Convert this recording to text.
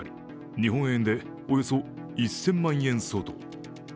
日本円で、およそ１０００万円相当。